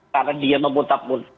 karena dia memutap